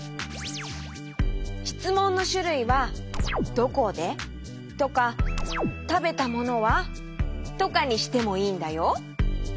しつもんのしゅるいは「どこで？」とか「たべたものは？」とかにしてもいいんだよ。